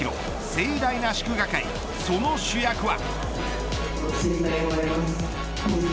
盛大な祝賀会、その主役が。